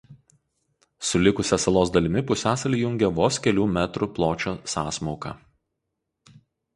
Su likusia salos dalimi pusiasalį jungia vos kelių metrų pločio sąsmauka.